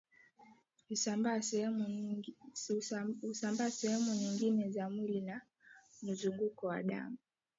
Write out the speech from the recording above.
husambaa sehemu nyingine za mwili na mzunguko wa damu